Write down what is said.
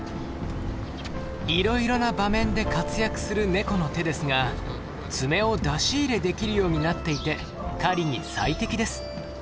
いろいろな場面で活躍するネコの手ですが爪を出し入れできるようになっていて狩りに最適です。